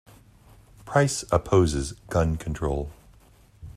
Price opposes gun control.